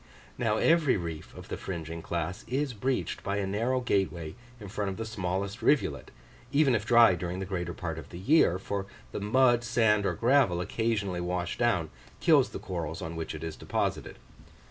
Now, every reef of the fringing class is breached by a narrow gateway in front of the smallest rivulet, even if dry during the greater part of the year, for the mud, sand, or gravel, occasionally washed down kills the corals on which it is deposited.